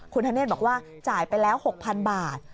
คุณธเนธบอกว่าจ่ายไปแล้ว๖๐๐๐บาท